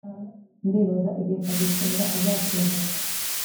Ndibaza igihe kazitunga azasezera